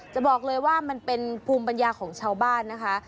จะบอกเลยว่ามันเป็นภูมิปัญญาของชาวบ้านนะคะ